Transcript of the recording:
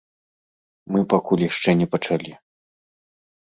Мы пакуль яшчэ не пачалі.